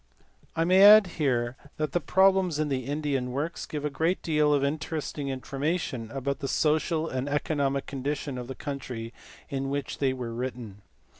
I may add here that the problems in the Indian works give a great deal of interesting information about the social and economic condition of the country in which they were written.